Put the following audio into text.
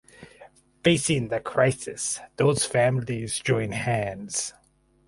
Facing the crisis those families join hands.